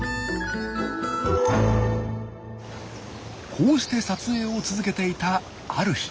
こうして撮影を続けていたある日。